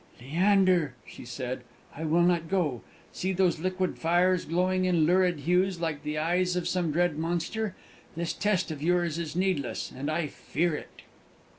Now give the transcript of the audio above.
"Leander," she said, "I will not go! See those liquid fires glowing in lurid hues, like the eyes of some dread monster! This test of yours is needless, and I fear it."